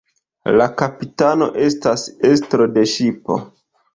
La "kapitano" estas estro de ŝipo.